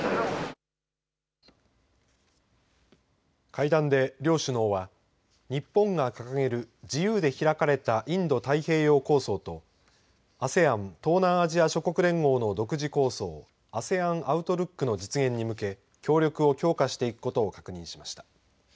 会談で両首脳は日本が掲げる自由で開かれたインド太平洋構想とＡＳＥＡＮ東南アジア諸国連合の独自構想アセアン・アウトルックの実現に向け協力を強化していくことを確認しました。